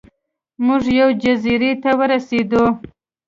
موږ یوې جزیرې ته ورسیدو.